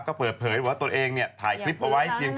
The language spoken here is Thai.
ก็เปิดเผยว่าตัวเองเนี่ยถ่ายคลิปเอาไว้เพียง